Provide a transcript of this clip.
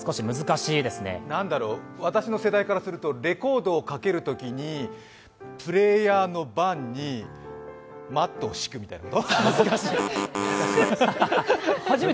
何だろう、私の世代からすると、レコードをかけるときにプレーヤーの盤にマットを敷くみたいなこと？